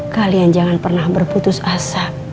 kalian jangan pernah berputus asa